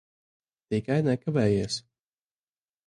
Tikai nekavējies.